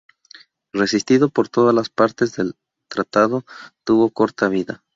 Resistido por todas las partes el tratado tuvo corta vida.